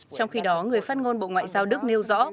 trong khi đó người phát ngôn bộ ngoại giao đức nêu rõ